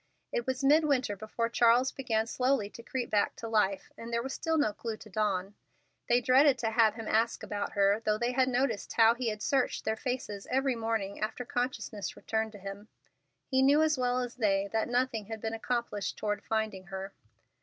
It was mid winter before Charles began slowly to creep back to life, and there was still no clue to Dawn. They dreaded to have him ask about her; though they had noticed how he had searched their faces every morning after consciousness returned to him. He knew as well as they that nothing had been accomplished toward finding her.